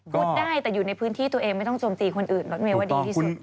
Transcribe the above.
พูดได้แต่อยู่ในพื้นที่ตัวเองไม่ต้องโจมตีคนอื่นรถเมย์ว่าดีที่สุด